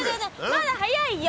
まだ早いよ。